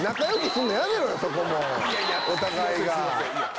そこもうお互いが。